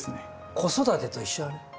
子育てと一緒だね。